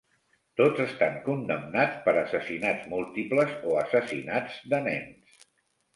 Tots estan condemnats per assassinats múltiples o assassinats de nens.